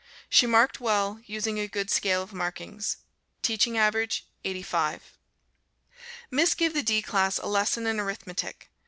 She marked well, using a good scale of markings. Teaching average 85. Miss gave the D class a lesson in Arithmetic.